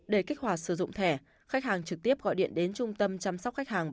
để kích hoạt sử dụng thẻ khách hàng trực tiếp gọi điện đến trung tâm chăm sóc khách hàng